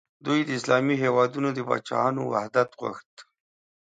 دوی د اسلامي هیوادونو د پاچاهانو وحدت غوښت.